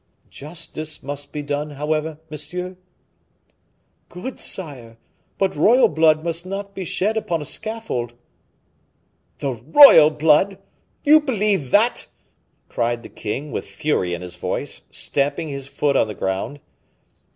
"Justice must be done, however, monsieur." "Good, sire; but royal blood must not be shed upon a scaffold." "The royal blood! you believe that!" cried the king with fury in his voice, stamping his foot on the ground.